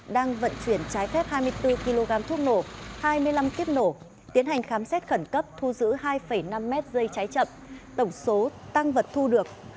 đang vận chuyển trái phép hai mươi bốn kg thuốc nổ hai mươi năm kiếp nổ tiến hành khám xét khẩn cấp thu giữ hai năm mét dây cháy chậm tổng số tăng vật thu được